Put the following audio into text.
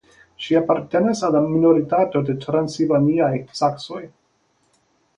Ŝi apartenas al la minoritato de la transilvaniaj saksoj.